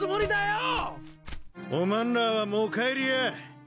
おまんらはもう帰りや。